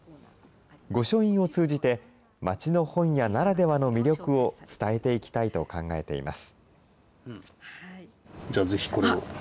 御書印を通じて、街の本屋ならではの魅力を伝えていきたいと考えています。